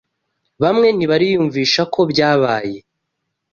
bamwe ntibariyumvisha ko byabaye